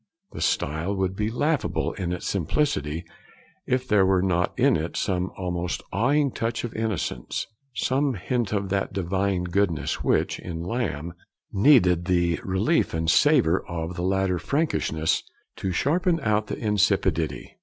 The style would be laughable in its simplicity if there were not in it some almost awing touch of innocence; some hint of that divine goodness which, in Lamb, needed the relief and savour of the later freakishness to sharpen it out of insipidity.